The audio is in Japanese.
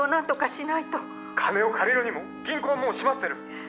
「金を借りるにも銀行はもう閉まってる！」